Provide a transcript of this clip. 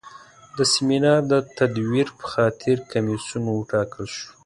د سیمینار د تدویر په خاطر کمیسیون وټاکل شو.